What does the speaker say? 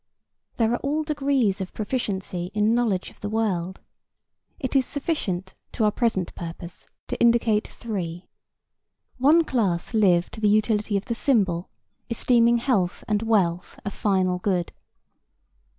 There are all degrees of proficiency in knowledge of the world. It is sufficient to our present purpose to indicate three. One class live to the utility of the symbol, esteeming health and wealth a final good.